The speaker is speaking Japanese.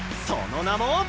その名も。